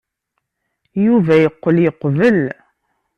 Yuba yeqqel yeqbel.